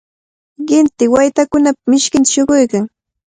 qinti waytakunapa mishkinta shuquykan.